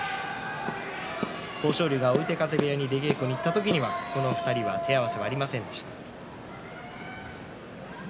豊昇龍が追手風部屋に出稽古に行った時にはこの２人は手合わせはありませんでした。